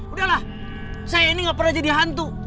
udahlah saya ini gak pernah jadi hantu